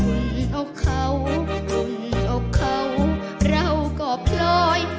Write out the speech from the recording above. อุ่นออกเขาอุ่นออกเขาเราก็พลอย